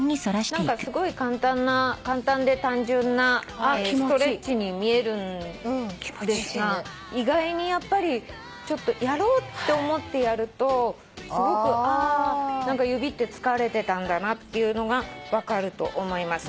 すごい簡単な簡単で単純なストレッチに見えるんですが意外にやっぱりやろうって思ってやるとすごくああ何か指って疲れてたんだなっていうのが分かると思います。